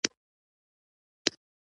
ملک صاحب زامنو ته نصیحت کاوه.